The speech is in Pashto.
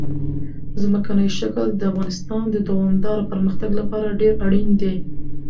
ځمکنی شکل د افغانستان د دوامداره پرمختګ لپاره ډېر اړین دي.